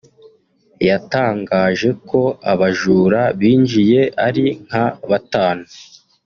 yatangaje ko abajura binjiye ari nka batanu